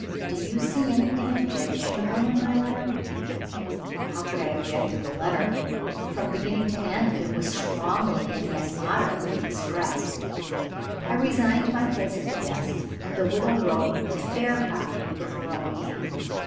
"Do you see anything objectionable in my letter?" How could I object to the letter? From beginning to end, it was strongly, and yet moderately, expressed. I resigned my place at the desk, and the widow wrote the fair copy, with her own hand.